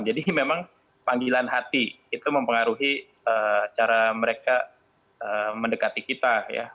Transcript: jadi memang panggilan hati itu mempengaruhi cara mereka mendekati kita